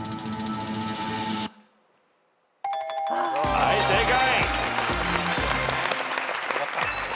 はい正解。